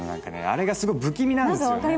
あれがすごく不気味なんですよね